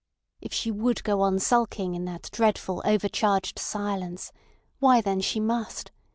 If she would go on sulking in that dreadful overcharged silence—why then she must.